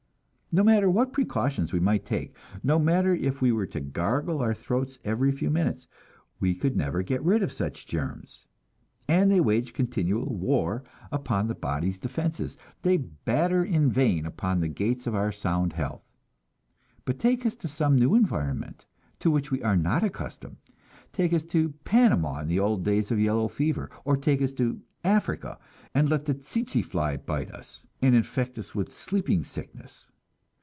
No matter what precautions we might take, no matter if we were to gargle our throats every few minutes, we could never get rid of such germs. And they wage continual war upon the body's defenses; they batter in vain upon the gates of our sound health. But take us to some new environment to which we are not accustomed; take us to Panama in the old days of yellow fever, or take us to Africa, and let the tsetse fly bite us, and infect us with "sleeping sickness."